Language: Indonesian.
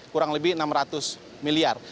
kurang lebih enam ratus miliar